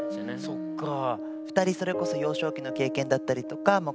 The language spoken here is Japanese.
そっかあ。